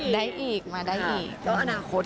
ได้อีกมาได้อีกแล้วอนาคต